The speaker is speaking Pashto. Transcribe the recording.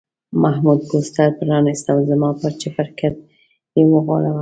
محمود پوسټر پرانیست او زما پر چپرکټ یې وغوړاوه.